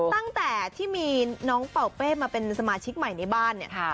ตั้งแต่ที่มีน้องเป่าเป้มาเป็นสมาชิกใหม่ในบ้านเนี่ย